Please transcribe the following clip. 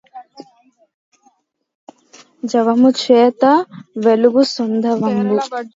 జవముచేత వెలుగు సైంధవంబు